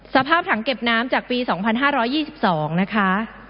สภาพถังเก็บน้ำจากปี๒๕๒๒นะคะ